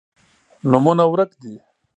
نومونه ورک دي